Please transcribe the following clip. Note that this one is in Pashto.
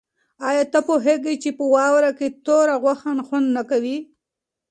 آیا ته پوهېږې چې په واوره کې توره غوښه خوند نه کوي؟